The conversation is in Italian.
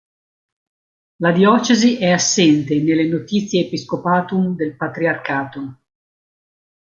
La diocesi è assente nelle "Notitiae Episcopatuum" del patriarcato.